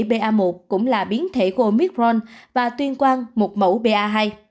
biến thể ba một cũng là biến thể của omicron và tuyên quan một mẫu ba hai